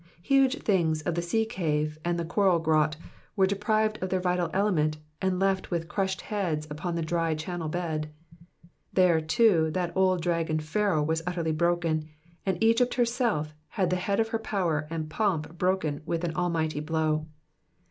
Huge things of the sea cave and the coral grot were deprived of their vital element, and left with crushed heads upon the dry channel bed. Tliere, too, that old dragon Pharaoh was utterly broken, and Egypt hrself had the head of her power and pomp broken with an almighty blow.